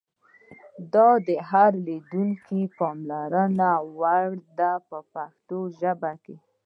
دا د هر لیدونکي د پاملرنې وړ دي په پښتو ژبه.